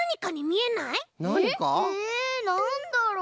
えなんだろう？